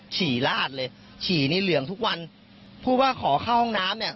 ฉี่ลาดเลยฉี่ในเหลืองทุกวันพูดว่าขอเข้าห้องน้ำเนี่ย